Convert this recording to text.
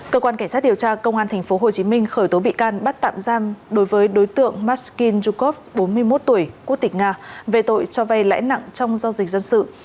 cơ quan cảnh sát điều tra công an tp hcm khởi tố bị can bắt tạm giam đối với đối tượng maskyn yukov bốn mươi một tuổi quốc tịch nga về tội cho vay lãi nặng trong giao dịch dân sự